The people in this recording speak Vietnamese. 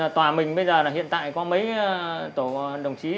tòa mình bây giờ là hiện tại có mấy tổ đồng chí